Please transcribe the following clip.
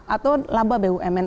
atau laba bumn